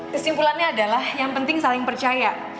kesimpulannya adalah yang penting saling percaya